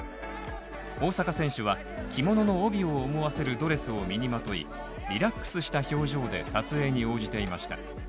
大坂選手は着物の帯を思わせるドレスを身にまとい、リラックスした表情で撮影に応じていました。